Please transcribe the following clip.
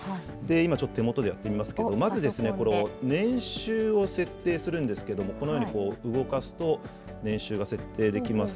今、ちょっと手元でやってみますけど、まずですね、これ、年収を設定するんですけれども、このように動かすと、年収が設定できます。